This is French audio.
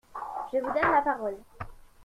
Je vous donne la parole.